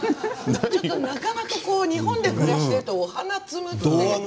ちょっとなかなか日本で暮らしているとお花を摘むって。